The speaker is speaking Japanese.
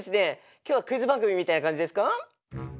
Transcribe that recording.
今日はクイズ番組みたいな感じですか？